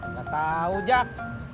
gak tau jak